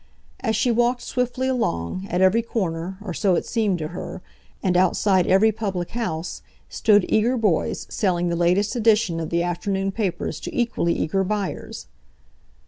As she walked swiftly along, at every corner, or so it seemed to her, and outside every public house, stood eager boys selling the latest edition of the afternoon papers to equally eager buyers.